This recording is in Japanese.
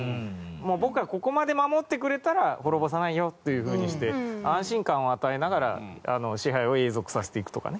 僕はここまで守ってくれたら滅ぼさないよというふうにして安心感を与えながら支配を永続させていくとかね。